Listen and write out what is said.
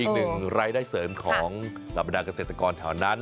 อีกหนึ่งรายได้เสริมของเหล่าบรรดาเกษตรกรแถวนั้น